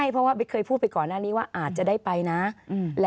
ขอบคุณครับ